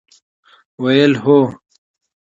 ویل: هو!